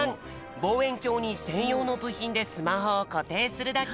ぼうえんきょうにせんようのぶひんでスマホをこていするだけ！